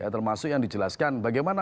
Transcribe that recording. termasuk yang dijelaskan bagaimana